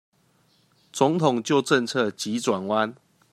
總統就政策急轉彎